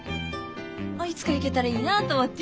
いつか行けたらいいなと思って。